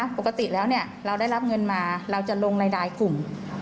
ปกติแล้วเราได้รับเงินมาเราจะลงรายกลุ่ม